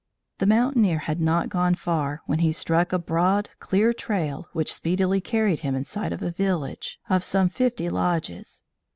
The mountaineer had not gone far, when he struck a broad, clear trail, which speedily carried him in sight of a village of some fifty lodges.